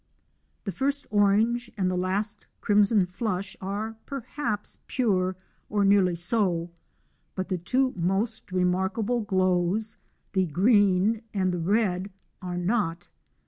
The first orange and the last crimson flush are perhaps pure, or nearly so, but the two most remarkable glows, the green and the red, are not.